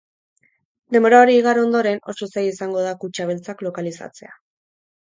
Denbora hori igaro ondoren, oso zaila izango da kutxa beltzak lokalizatzea.